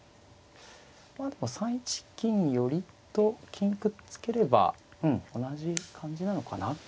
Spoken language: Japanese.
これはでも３一金寄と金くっつければ同じ感じなのかな。